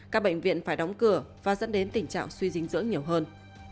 các bệnh viện phải đóng cửa và dẫn đến tình trạng suy dinh dưỡng nhiều hơn